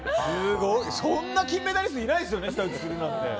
そんな金メダリストいないですよね。